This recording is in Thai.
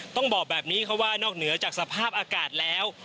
ต้องบอกแบบนี้ค่ะว่านอกเหนือจากสภาพอากาศแล้ว